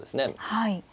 はい。